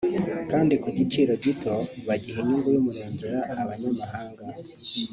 kandi ku giciro gito bigaha inyungu y’umurengera abanyamahanga